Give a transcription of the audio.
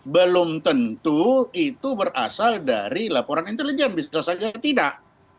belum tentu itu berasal dari laporan intelijen bisa saja tidak